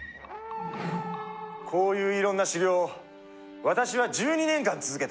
こういういろんな修行を私は１２年間続けた。